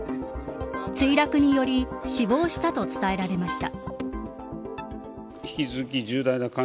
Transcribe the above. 墜落により死亡したと伝えられました。